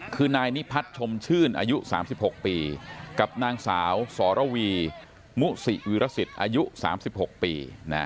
คือนายนิพัฒน์ชมชื่นอายุ๓๖ปีกับนางสาวสรวีมุสิวิรสิตอายุ๓๖ปี